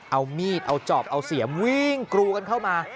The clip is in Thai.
เอามีดเอาจอบเอาเสียมวิ่งกรูกันเข้ามา